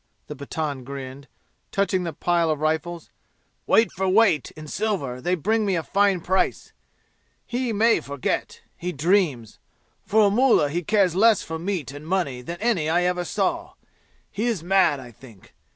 the Pathan grinned, touching the pile of rifles. "Weight for weight in silver they will bring me a fine price! He may forget. He dreams. For a mullah he cares less for meat and money than any I ever saw. He is mad, I think.